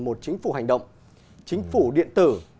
một chính phủ hành động chính phủ điện tử